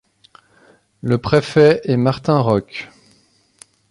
Le préfet est Martin Roch.